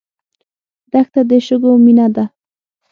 دښته د شګو مینه ده.